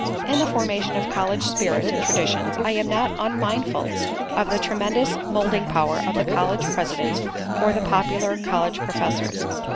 In the formation of college spirit and traditions I am not unmindful of the tremendous moulding power of the college president or the popular college professors.